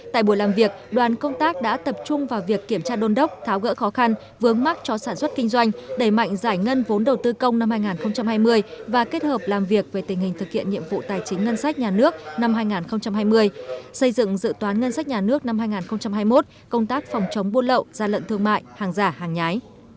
tại buổi làm việc đoàn công tác đã tập trung vào việc kiểm tra đôn đốc tháo gỡ khó khăn vướng mắt cho sản xuất kinh doanh đẩy mạnh giải ngân vốn đầu tư công năm hai nghìn hai mươi và kết hợp làm việc về tình hình thực hiện nhiệm vụ tài chính ngân sách nhà nước năm hai nghìn hai mươi xây dựng dự toán ngân sách nhà nước năm hai nghìn hai mươi một công tác phòng chống buôn lậu gian lận thương mại hàng giả hàng nhái